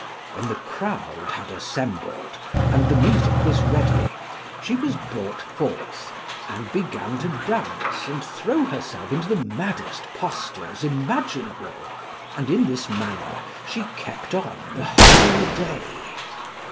When the crowd had assembled, and the music was ready, she was brought forth and began to dance and throw herself into the maddest postures imaginable, and in this manner she kept on the whole day.